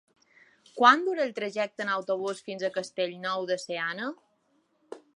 Quant dura el trajecte en autobús fins a Castellnou de Seana?